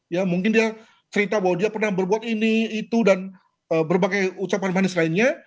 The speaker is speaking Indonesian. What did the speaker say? ya mungkin dia cerita bahwa dia pernah berbuat ini itu dan berbagai ucapan manis lainnya